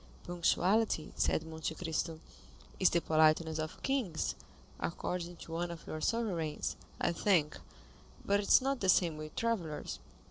"Punctuality," said Monte Cristo, "is the politeness of kings, according to one of your sovereigns, I think; but it is not the same with travellers.